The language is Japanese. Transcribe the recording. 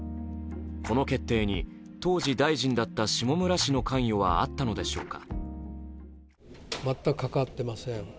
この決定に当時、大臣だった下村氏の関与はあったのでしょうか。